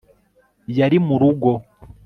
yari murugo